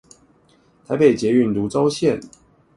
臺北捷運蘆洲線